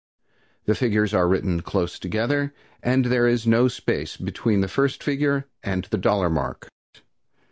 The figures are written close together and there is no space between the first figure and the dollar mark.